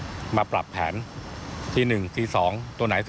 โดยรฟทจะประชุมและปรับแผนให้สามารถเดินรถได้ทันในเดือนมิถุนายนปี๒๕๖๓